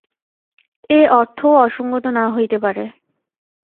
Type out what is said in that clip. এ অর্থও অসঙ্গত না হইতে পারে।